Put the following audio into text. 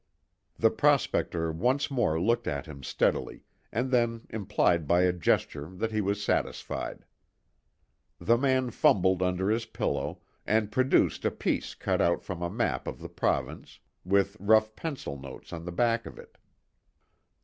The prospector once more looked at him steadily, and then implied by a gesture that he was satisfied. The man fumbled under his pillow, and produced a piece cut out from a map of the province, with rough pencil notes on the back of it.